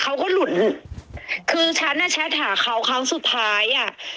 เขาก็หลุนคือฉันอ่ะแชทหาเขาครั้งสุดท้ายอ่ะ